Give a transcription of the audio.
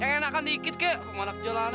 yang enakan dikit kayak rumah anak jalanan